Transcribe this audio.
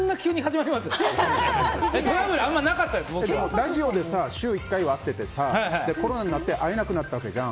ラジオで週１回は会っててコロナになって会えなくなったわけじゃん。